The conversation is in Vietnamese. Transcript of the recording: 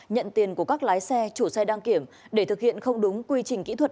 nhận tiền của các lái xe chủ xe đăng kiểm để thực hiện không đúng quy trình kỹ thuật